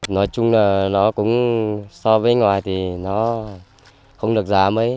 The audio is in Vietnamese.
nói chung là nó cũng so với ngoài thì nó không được giảm ấy